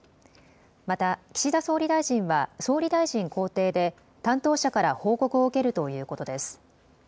また岸田総理大臣は総理大臣公邸で担当者から報告を受けるということです。